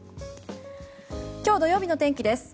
今日土曜日の天気です。